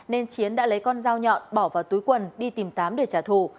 nên chiến đã lấy con dao nhọn bỏ vào túi quần đi tìm tám để trả thù